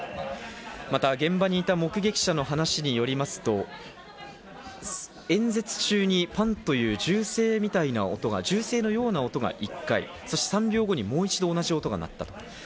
また現場にいた目撃者の話によりますと、演説中にパンという銃声のような音が１回、そして３秒後にもう一度、同じ音が鳴った。